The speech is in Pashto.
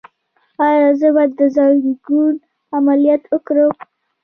ایا زه باید د زنګون عملیات وکړم؟